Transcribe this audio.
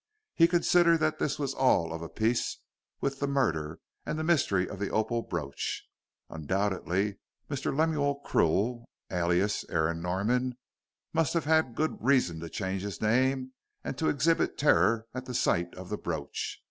He considered that this was all of a piece with the murder and the mystery of the opal brooch. Undoubtedly Mr. Lemuel Krill, alias Aaron Norman, must have had good reason to change his name and to exhibit terror at the sight of the brooch.